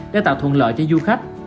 đã tạo thuận lợi cho du khách